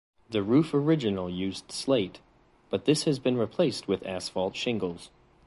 The roof original used slate, but this has been replaced with asphalt shingles.